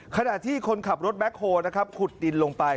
ขณะที่คนขับรถแบ็คโฮนะครับขุดดินลงไป